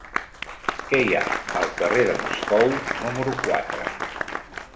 Què hi ha al carrer de Moscou número quatre?